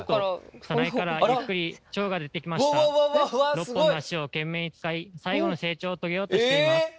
６本の足を懸命に使い最後の成長を遂げようとしています。